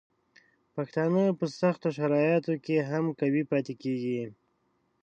پښتانه په سختو شرایطو کې هم قوي پاتې کیږي.